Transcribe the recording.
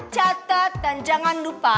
catat dan jangan lupa